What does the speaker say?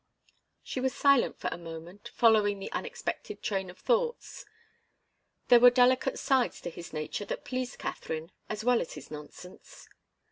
She was silent for a moment, following the unexpected train of thoughts. There were delicate sides to his nature that pleased Katharine as well as his nonsense.